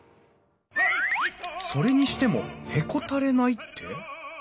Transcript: それにしても「へこたれない」って？